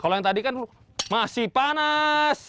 kalau yang tadi kan masih panas